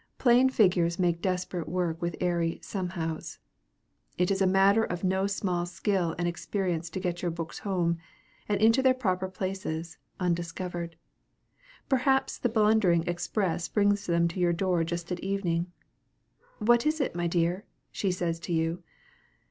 Plain figures make desperate work with airy "somehows." It is a matter of no small skill and experience to get your books home, and into their proper places, undiscovered. Perhaps the blundering express brings them to the door just at evening. "What is it, my dear?" she says to you.